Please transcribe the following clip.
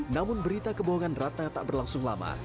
namun berita kebohongan ratna tak berlangsung lama